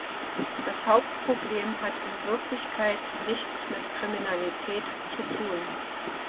Das Hauptproblem hat in Wirklichkeit nichts mit Kriminalität zu tun.